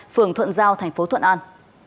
phường thuận giao thành phố thuận an